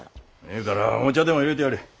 ええからお茶でもいれてやれ。